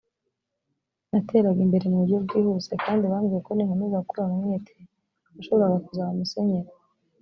nateraga imbere mu buryo bwihuse kandi bambwiye ko ninkomeza gukorana umwete nashoboraga kuzaba musenyeri